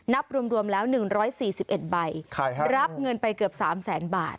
นับรวมแล้ว๑๔๑ใบรับเงินไปเกือบ๓แสนบาท